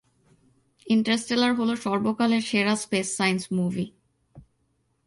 Interstellar হলো সর্বকালের সেরা স্পেস সাইন্স মুভি।